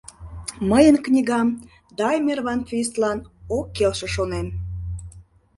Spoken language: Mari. “Мыйын книгам Даймер-ван-Твистлан ок келше, шонем.